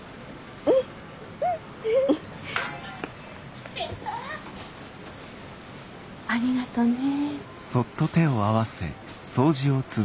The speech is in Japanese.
うん！ありがとね。